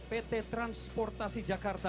pt transportasi jakarta